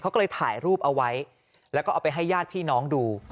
เขาก็เลยถ่ายรูปเอาไว้แล้วก็เอาไปให้ญาติพี่น้องดู